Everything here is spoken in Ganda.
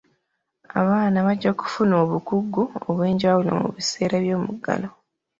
Abaana bajja kufuna obukugu obw'enjawulo mu biseera by'omuggalo.